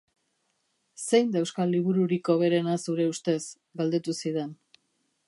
Zein da euskal libururik hoberena zure ustez? Galdetu zidan.